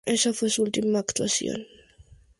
Esa fue su última actuación.